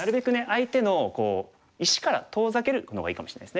相手の石から遠ざけるのがいいかもしれないですね。